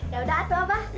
yaudah atuh abah